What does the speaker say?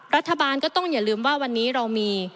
รัฐบาลก็ต้องอย่าลืมว่าวันนี้เรามี